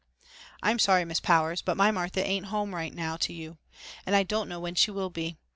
"I'm sorry, Miss Powers, but my Martha ain't at home right now to you, and I don't know when she will be.